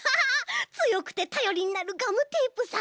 つよくてたよりになるガムテープさん。